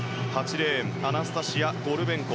レーンアナスタシア・ゴルベンコ。